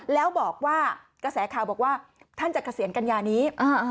แล้วกระแสข่าวบอกว่าท่านจะเกษียณกันยานี้